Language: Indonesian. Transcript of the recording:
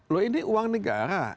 loh ini uang negara